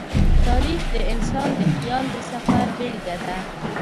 تاریخ د انسان د خیال د سفر بېلګه ده.